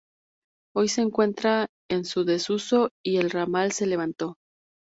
Hoy se encuentra en desuso, y el ramal se levantó.